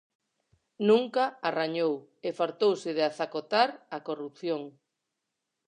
Nunca a rañou e fartouse de azacotar a corrupción.